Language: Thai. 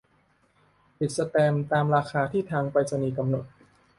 ติดสแตมป์ตามราคาที่ทางไปรษณีย์กำหนด